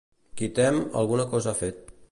Qui tem, alguna cosa ha fet.